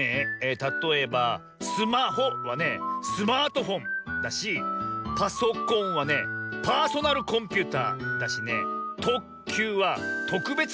たとえばスマホはねスマートフォンだしパソコンはねパーソナルコンピューターだしねとっきゅうはとくべつ